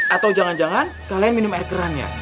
atau jangan jangan kalian minum air keran ya